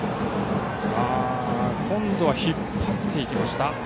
今度は引っ張っていきました。